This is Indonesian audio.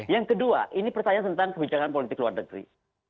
yang kedua ini pertanyaan tentang kebijakan politik luar negeri